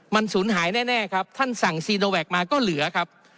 มันสูญหายแน่ครับท่านสั่งซีโนแวคมาก็เหลือครับ